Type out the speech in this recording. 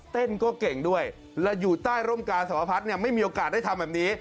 เต้นก็เก่งด้วยและอยู่ใต้ร่มกาสวพัฒน์เนี่ยไม่มีโอกาสได้ทำแบบนี้